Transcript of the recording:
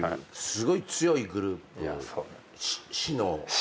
すごい強いグループ死の。